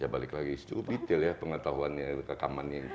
ya balik lagi itu detail ya pengetahuannya rekamannya